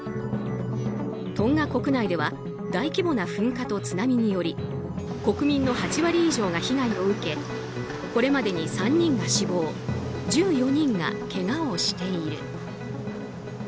トンガ国内では大規模な噴火と津波により国民の８割以上が被害を受けこれまでに３人が死亡１４人がけがをしている。